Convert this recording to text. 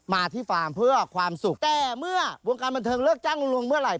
มาที่ฟาร์มเพื่อความสุขแต่เมื่อวงการบันเทิงเลิกจ้างลุงลวงเมื่อไหร